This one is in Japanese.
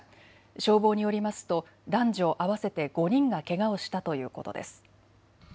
消防によりますと男女合わせて５人がけがをしたということです。